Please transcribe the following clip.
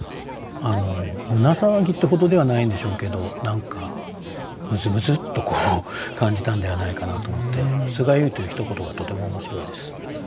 胸騒ぎってほどではないんでしょうけど何かむずむずっと感じたんではないかなと思って「むずがゆい」というひと言がとても面白いです。